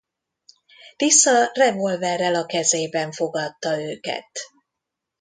Tisza revolverrel a kezében fogadta őket.